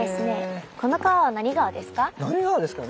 この川は何川ですか？